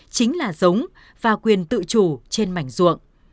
chính là giống và quyền tự chủ trên mảnh ruộng